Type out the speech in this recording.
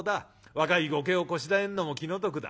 若い後家をこしらえるのも気の毒だ。